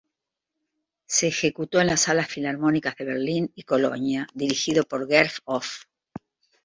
Se ejecutó en las salas filarmónicas de Berlín y Colonia, dirigido por Gert Hof.